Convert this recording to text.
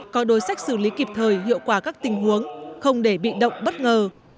có đối sách xử lý kịp thời hiệu quả các tình huống không để bị động bất ngờ